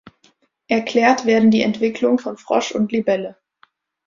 Erklärt werden die Entwicklung von Frosch und Libelle.